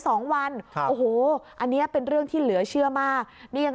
สองวันครับโอ้โหอันเนี้ยเป็นเรื่องที่เหลือเชื่อมากนี่ยัง